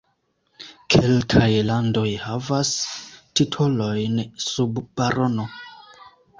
Kelkaj landoj havas titolojn sub barono.